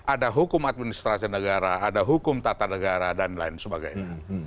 ada hukum administrasi negara ada hukum tata negara dan lain sebagainya